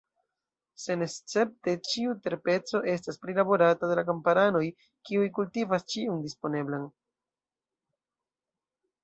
Senescepte, ĉiu terpeco estas prilaborata de la kamparanoj, kiuj kultivas ĉion disponeblan.